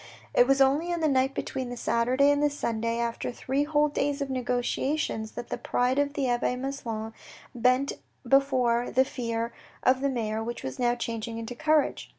It was only on the night between the Saturday and the Sunday, after three whole days of negotiations that the pride of the abbe Maslon bent before the fear of the mayor, which was now changing into courage.